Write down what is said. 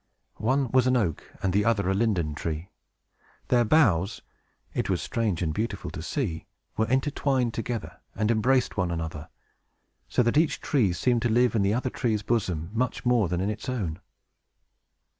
One was an oak, and the other a linden tree. Their boughs it was strange and beautiful to see were intertwined together, and embraced one another, so that each tree seemed to live in the other tree's bosom much more than in its own.